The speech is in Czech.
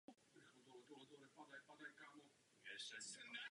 Poslední bojovou misí za druhé světové války byl útok na letiště v Plzni.